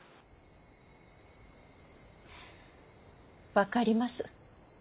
分かります。